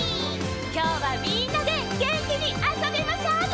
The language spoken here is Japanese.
きょうはみんなでげんきにあそびましょうね！